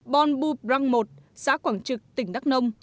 bon bù brăng i xã quảng trực tỉnh đắk nông